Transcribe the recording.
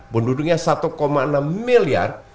penduduknya satu enam miliar